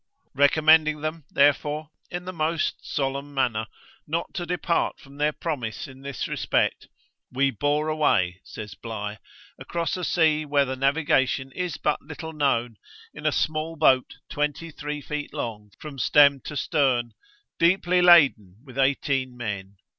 Recommending them, therefore, in the most solemn manner, not to depart from their promise in this respect, 'we bore away,' says Bligh, 'across a sea where the navigation is but little known, in a small boat twenty three feet long from stem to stern, deeply laden with eighteen men.